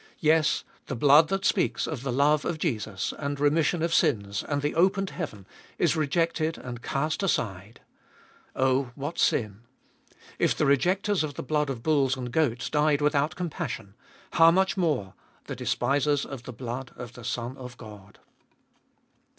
Yes, the blood that speaks of the love of Jesus, and remission of sins, and the opened heaven, is rejected and cast aside ! Oh, what sin ! If the rejectors of the blood of bulls and goats died without compassion, how much more — the despisers of the blood of the Son of God